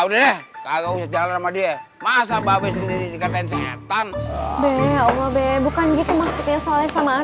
udah kalau jalan sama dia masa babes diri katain setan bebek bukan gitu maksudnya soalnya sama